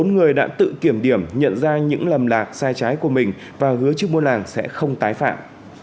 bốn người đã tự kiểm điểm nhận ra những lầm lạc sai trái của mình và hứa chức buôn làng sẽ không tái phạm